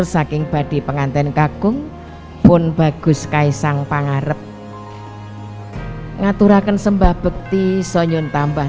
saking badi pengantin kakung pun bagus kaisang pangarep ngatur akan sembah bekti soyun tambah